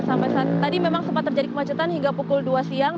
sampai tadi memang sempat terjadi kemacetan hingga pukul dua siang